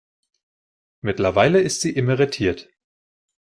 Mittlerweile ist sie emeritiert.